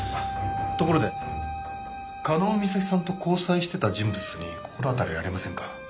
ところで加納美咲さんと交際してた人物に心当たりありませんか？